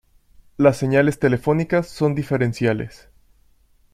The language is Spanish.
Las señales telefónicas son diferenciales.